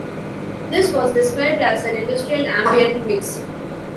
This was described as an industrial ambient mix.